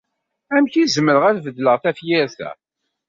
Amek ay zemreɣ ad beddleɣ tafyirt-a?